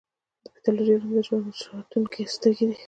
د پیتالوژي علم د ژوند ساتونکې سترګې دي.